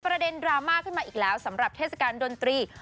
ประเด็นดราม่าขึ้นมาอีกแล้วสำหรับเทศกาลดนตรี